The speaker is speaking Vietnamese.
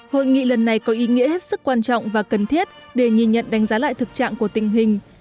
hội nghị lần này có ý nghĩa hết sức quan trọng và cần thiết để nhìn nhận đánh giá lại thực trạng của tình hình